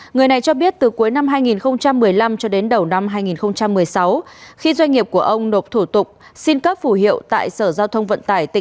người này cho biết từ cuối năm hai nghìn một mươi năm cho đến đầu năm hai nghìn một mươi sáu khi doanh nghiệp của ông nộp thủ tục xin cấp phủ hiệu tại sở giao thông vận tải